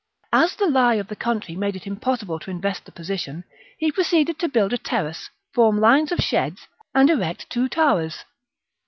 As the lie of the country made it impossible to invest the position, he proceeded to build a terrace, form lines of sheds, and erect two towers.